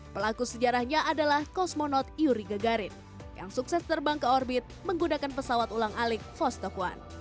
pelaku sejarahnya adalah kosmonot yuri gegarin yang sukses terbang ke orbit menggunakan pesawat ulang alik fostok one